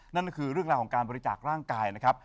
นั่นก็คือเรื่องราวของการบริจาคร่างกายนะครับ